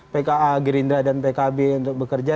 pka gerindra dan pkb untuk bekerja